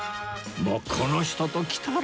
もうこの人ときたら